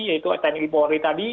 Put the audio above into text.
yaitu etenik dipolri tadi